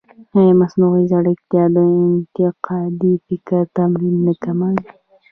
ایا مصنوعي ځیرکتیا د انتقادي فکر تمرین نه کموي؟